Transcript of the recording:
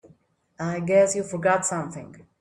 I guess you forgot something.